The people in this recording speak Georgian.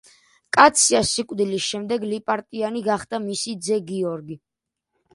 კაციას სიკვდილის შემდეგ ლიპარტიანი გახდა მისი ძე გიორგი.